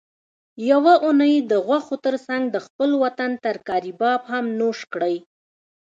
یوه اونۍ د غوښو ترڅنګ د خپل وطن ترکاري باب هم نوش کړئ